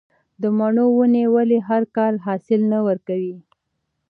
د مڼو ونې ولې هر کال حاصل نه ورکوي؟